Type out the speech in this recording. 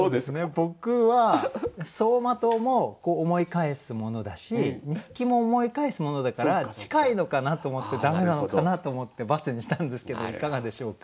僕は走馬灯も思い返すものだし日記も思い返すものだから近いのかなと思って駄目なのかなと思って×にしたんですけどいかがでしょうか？